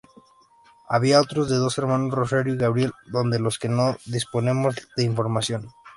Había otros dos hermanos, Rosario y Gabriel, sobre los que no disponemos de información.